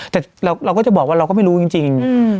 แต่เราก็จะบอกว่าเราก็ไม่รู้จริง